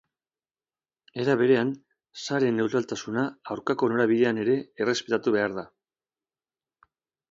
Era berean, sare-neutraltasuna aurkako norabidean ere errespetatu behar da.